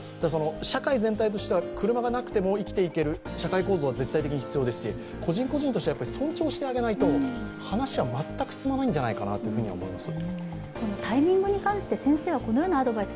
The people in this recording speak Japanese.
社会全体としては車がなくても生きていける絶対的に必要ですし、個人個人としては尊重してあげないと話は全く進まないんじゃないかなと思います。